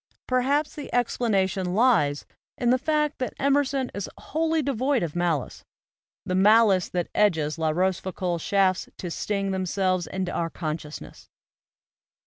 Perhaps the explanation lies in the fact that Emerson is wholly devoid of malice, the malice that edges La Rochefoucauld's shafts to sting themselves into our consciousness.